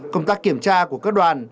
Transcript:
công tác kiểm tra của các đoàn